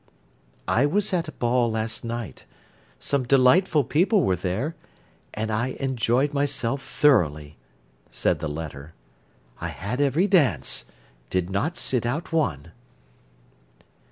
"I was at a ball last night. Some delightful people were there, and I enjoyed myself thoroughly," said the letter. "I had every dance—did not sit out one."